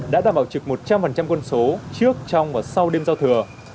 đã đảm bảo trực một trăm linh quân số trước trong và sau đêm giao thừa